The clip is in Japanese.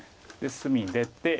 隅出て。